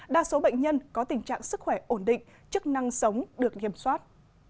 đa số bệnh nhân có tình trạng sức khỏe ổn định chức năng sống được nghiêm soát